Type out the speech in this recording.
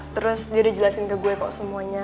terus dia udah jelasin ke gue kok semuanya